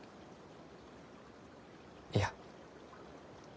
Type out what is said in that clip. いや。